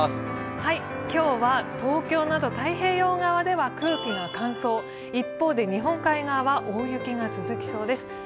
今日は東京など太平洋側では空気が乾燥、一方で日本海側は大雪が続きそうです。